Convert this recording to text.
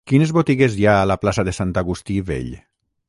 Quines botigues hi ha a la plaça de Sant Agustí Vell?